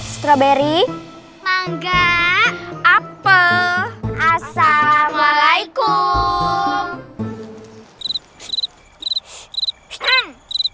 strawberry mangga apple assalamualaikum